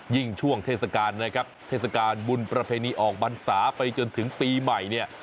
ช่วงเทศกาลนะครับเทศกาลบุญประเพณีออกพรรษาไปจนถึงปีใหม่เนี่ย